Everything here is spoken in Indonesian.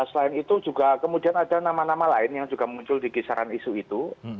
selain itu juga kemudian ada nama nama lain yang juga muncul di kisaran isu itu